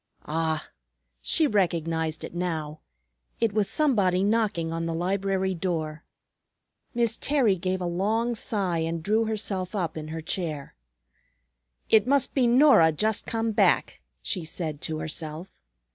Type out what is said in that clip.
Ah! She recognized it now. It was somebody knocking on the library door. Miss Terry gave a long sigh and drew herself up in her chair. "It must be Norah just come back," she said to herself.